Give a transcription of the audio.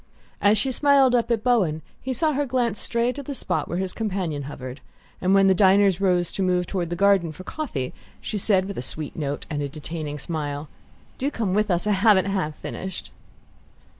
As she smiled up at Bowen he saw her glance stray to the spot where his companion hovered; and when the diners rose to move toward the garden for coffee she said, with a sweet note and a detaining smile: "Do come with us I haven't half finished."